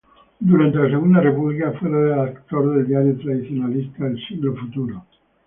Durante la Segunda República fue redactor del diario tradicionalista "El Siglo Futuro".